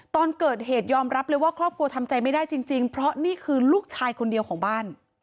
ตอนเกิดเหตุยอมรับเลยว่าครอบครัวทำใจไม่ได้จริงเพราะนี่คือลูกชายคนเดียวของบ้าน